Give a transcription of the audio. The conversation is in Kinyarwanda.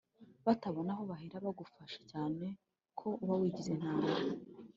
batabona aho bahera bagufasha, cyane ko uba wigize intama